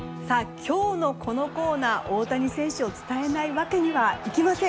今日のこのコーナー大谷選手を伝えないわけにはいきません。